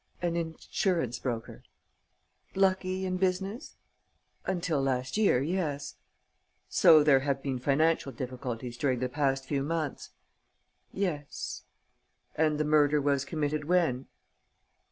"An insurance broker." "Lucky in business?" "Until last year, yes." "So there have been financial difficulties during the past few months?" "Yes." "And the murder was committed when?"